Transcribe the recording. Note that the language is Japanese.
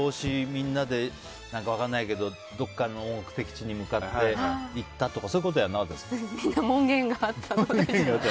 みんなで分からないけどどこかの目的地に向かってみんな門限があったので。